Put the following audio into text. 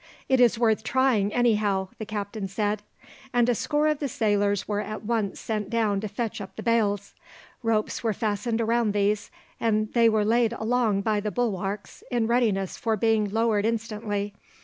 "It is worth trying, anyhow," the captain said. And a score of the sailors were at once sent down to fetch up the bales. Ropes were fastened round these, and they were laid along by the bulwarks in readiness for being lowered instantly.